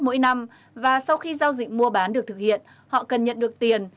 mỗi năm và sau khi giao dịch mua bán được thực hiện họ cần nhận được tiền